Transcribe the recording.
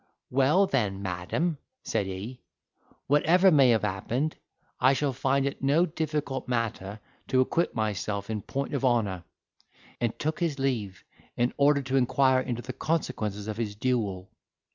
"Well, then madam," said he, "whatever may have happened, I shall find it no difficult matter to acquit myself in point of honour;" and took his leave in order to inquire into the consequences of his duel.